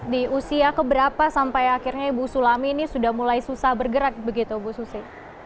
di usia keberapa sampai akhirnya ibu sulami ini sudah mulai susah bergerak begitu bu susi